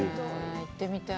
行ってみたい。